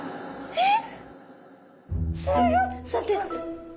えっ？